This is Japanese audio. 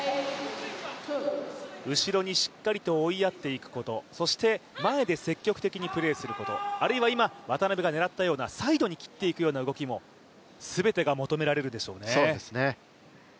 後ろにしっかりと追いやっていくことそして前で積極的にプレーすることあるいは今、渡辺が狙ったようなサイドに切っていくような動きも、全てが求められるんでしょうね。